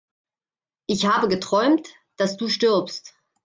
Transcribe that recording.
Ich habe geträumt, dass du stirbst!